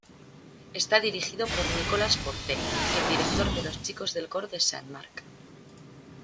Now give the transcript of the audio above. Está dirigido por Nicolás Porte, director de Los chicos del coro de Sant Marc.